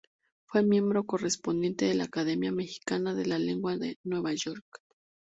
Fue miembro correspondiente de la Academia Mexicana de la Lengua en Nueva York.